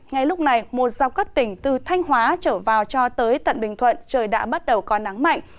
ngay lúc này một dọc các tỉnh từ thanh hóa trở vào cho tới tận bình thuận trời đã bắt đầu có nắng mạnh